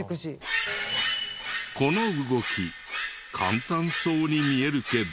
この動き簡単そうに見えるけど。